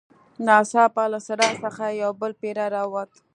ناڅاپه له څراغ څخه یو بل پیری راووت.